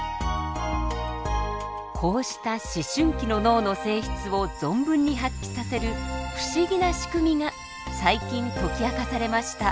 こうした思春期の脳の性質を存分に発揮させる不思議なしくみが最近解き明かされました。